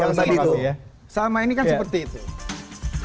yang terlihat sama ini kan seperti itu